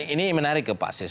ini menarik ke pak sis